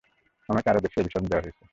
আমাকে আরও বেশি অভিশাপ দেয়া হয়েছে।